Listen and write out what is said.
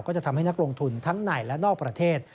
จะทำให้นักลงทุนทั้งในและนอกประเทศ